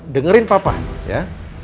dengerin papa ya